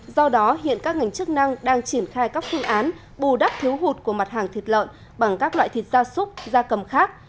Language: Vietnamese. do đó hiện các ngành chức năng đang triển khai các phương án bù đắp thiếu hụt của mặt hàng thịt lợn bằng các loại thịt gia súc gia cầm khác